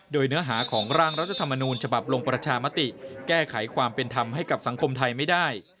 โดยเนื้อหาของร่างรัฐธรรมนูญฉบับลงประชามติแก้ไขความเป็นธรรมให้กับสังคมไทยไม่ได้